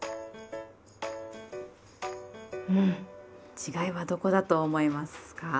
違いはどこだと思いますか？